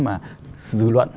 mà dư luận